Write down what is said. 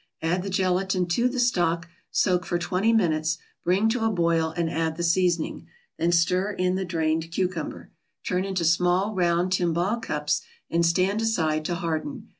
Add the gelatin to the stock, soak for twenty minutes, bring to a boil and add the seasoning; then stir in the drained cucumber. Turn into small round timbale cups and stand aside to harden.